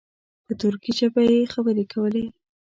په ترکي ژبه یې خبرې کولې.